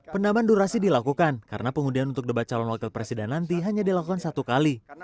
penambahan durasi dilakukan karena pengundian untuk debat calon wakil presiden nanti hanya dilakukan satu kali